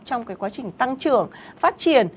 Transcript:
trong cái quá trình tăng trưởng phát triển